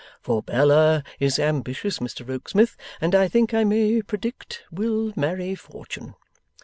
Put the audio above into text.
For Bella is ambitious, Mr Rokesmith, and I think I may predict will marry fortune.